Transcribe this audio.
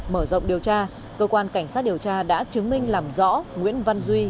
mở rộng điều tra cơ quan cảnh sát điều tra đã chứng minh làm rõ nguyễn văn duy